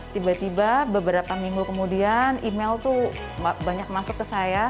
tiba tiba beberapa minggu kemudian email tuh banyak masuk ke saya